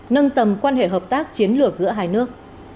nâng tầm quan hệ hợp tác chiến lược giữa hai nước